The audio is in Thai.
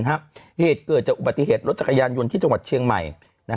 เหตุเกิดจากอุบัติเหตุรถจักรยานยนต์ที่จังหวัดเชียงใหม่